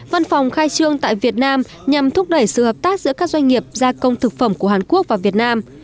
văn phòng khai trương tại việt nam nhằm thúc đẩy sự hợp tác giữa các doanh nghiệp gia công thực phẩm của hàn quốc và việt nam